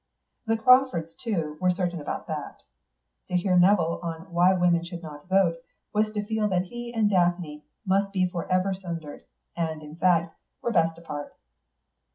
The Crawfords too were certain about that. To hear Nevill on Why Women should Not Vote was to feel that he and Daphne must be for ever sundered, and, in fact, were best apart.